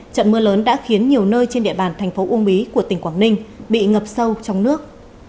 trận mưa lớn đã khiến nhiều nơi trên địa bàn thành phố uông bí của tỉnh quảng ninh bị ngập sâu trong nước